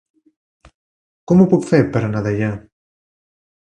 Com ho puc fer per anar a Deià?